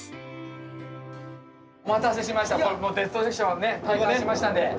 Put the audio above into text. お待たせしましたデッドセクション体感しましたんで。